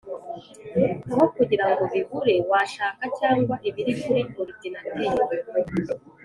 Aho kugira ngo bibure washaka cyangwa ibiri kuri orudinateri